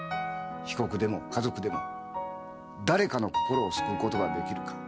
被告でも家族でも誰かの心を救うことができるか。